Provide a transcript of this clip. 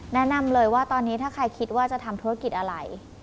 แนะนำเลยว่าตอนนี้ถ้าใครคิดว่าจะทำธุรกิจอะไร